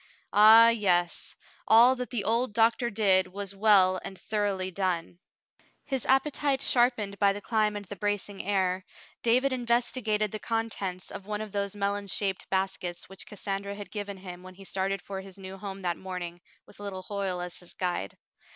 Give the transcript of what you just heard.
Ah, yes, all that the old doctor did was well and thoroughly done. His appetite sharpened by the climb and the bracing air, David investigated the contents of one of those melon shaped baskets which Cassandra had given him when he started for his new home that morning, with little Hoyle as his guide.